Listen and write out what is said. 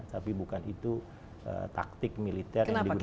tapi bukan itu taktik militer yang diberikan rusia